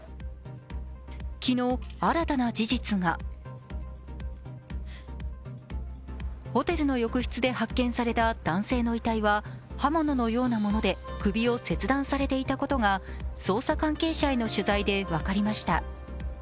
昨日、新たな事実がホテルの浴室で発見された男性の遺体は刃物のようなもので首を切断されていたことが捜査関係者への取材で分かりました。